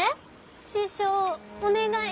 師匠お願い。